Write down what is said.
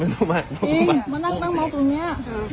นี้ดูมากจริงมานั่งนั่งนังตรงนี้